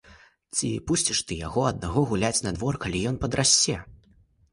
Ці пусціш ты яго аднаго гуляць на двор, калі ён падрасце?